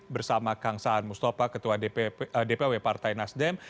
bersama kang saan mustafa ketua dpw partai nasdem